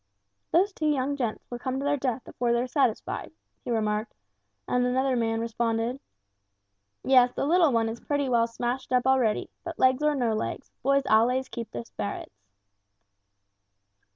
"Those two young gents will come to their death afore they're satisfied," he remarked, and another man responded: "Yes, the little one is pretty well smashed up already, but legs or no legs, boys allays keeps their sperrits!"